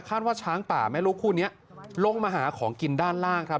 ว่าช้างป่าแม่ลูกคู่นี้ลงมาหาของกินด้านล่างครับ